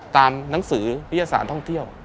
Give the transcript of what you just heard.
หนังสือวิทยาศาสตร์ท่องเที่ยว